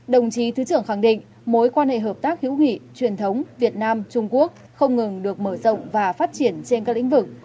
đồng chí thứ trưởng khẳng định mối quan hệ hợp tác hữu nghị truyền thống việt nam trung quốc không ngừng được mở rộng và phát triển trên các lĩnh vực